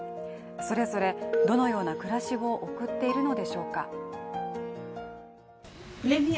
それぞれどのような暮らしを送っているのでしょうか。